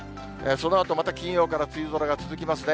そのあと、また金曜から梅雨空が続きますね。